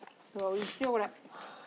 おいしいわこれ。